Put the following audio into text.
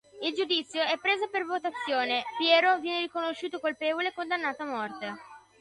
Il giudizio è preso per votazione: Piero viene riconosciuto colpevole e condannato a morte.